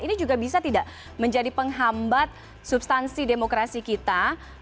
ini juga bisa tidak menjadi penghambat substansi demokrasi kita